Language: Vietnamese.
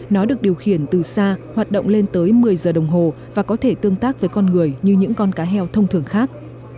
nó được điều khiển từ xa hoạt động lên tới một mươi giờ đồng hồ và có thể tương tác với con người như những con cá heo thông thường khác